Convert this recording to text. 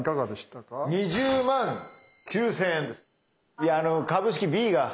いやあの株式Ｂが。